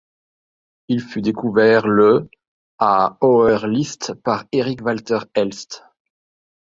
Il fut découvert le à Hoher List par Eric Walter Elst.